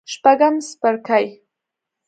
شپږم څپرکی